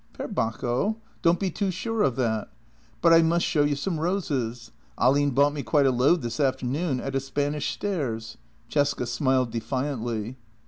" Per Bacco. Don't be too sure of that. But I must show you some roses. Ahlin bought me quite a load this afternoon at a Spanish stairs." Cesca smiled defiantly.